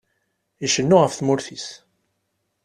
Icennu ɣef tmurt-is.